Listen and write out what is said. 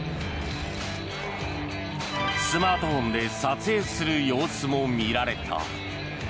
スマートフォンで撮影する様子も見られた。